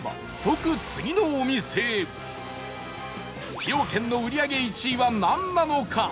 崎陽軒の売り上げ１位はなんなのか？